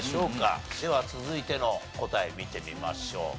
では続いての答え見てみましょうか。